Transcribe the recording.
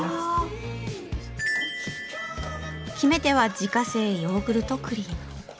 決め手は自家製ヨーグルトクリーム。